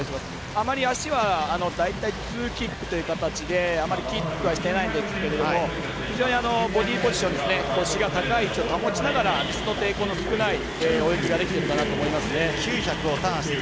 あまり足はツーキックという形であまりキックはしてないですけど非常にボディーポジション腰が高い位置を保って水の抵抗の少ない泳ぎができていると思います。